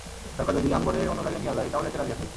সরকার যদি আমগরে অন্য জায়গায় নিয়া যায়, তাও যাইতে রাজি আছি।